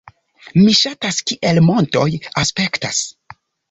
Mi ŝatas kiel montoj aspektas